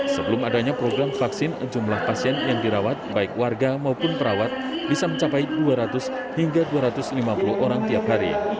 sebelum adanya program vaksin jumlah pasien yang dirawat baik warga maupun perawat bisa mencapai dua ratus hingga dua ratus lima puluh orang tiap hari